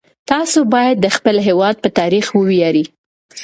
تاسو باید د خپل هیواد په تاریخ وویاړئ.